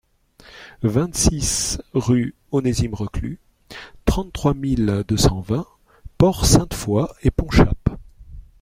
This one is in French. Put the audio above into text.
vingt-six rue Onésime Reclus, trente-trois mille deux cent vingt Port-Sainte-Foy-et-Ponchapt